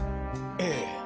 ええ。